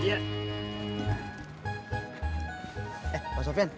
eh pak sofyan